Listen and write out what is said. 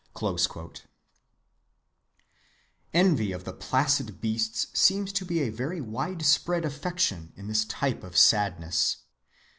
(82) Envy of the placid beasts seems to be a very widespread affection in this type of sadness.